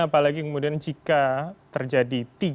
apalagi kemudian jika terjadi